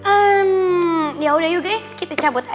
ehm yaudah yuk guys kita cabut aja